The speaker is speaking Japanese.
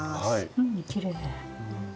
うんきれい。